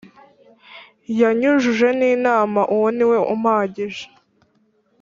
Yanyujuje n’Imana uwo niwe umpagije